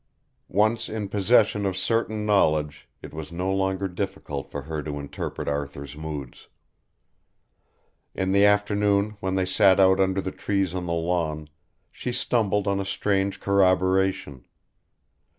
Once in possession of certain knowledge it was no longer difficult for her to interpret Arthur's moods. In the afternoon when they sat out under the trees on the lawn, she stumbled on a strange corroboration.